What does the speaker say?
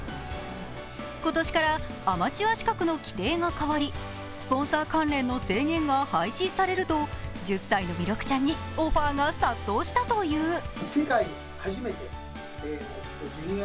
今年からアマチュア資格の規定が変わり、スポンサー関連の制限が廃止されると１０歳の弥勒ちゃんにオファーが殺到したという。